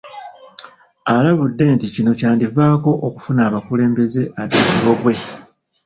Alabudde nti kino kyandivaako okufuna abakulembeze ab'ekibogwe.